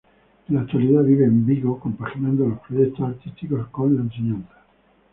En la actualidad vive en Vigo, compaginando los proyectos artísticos con la enseñanza.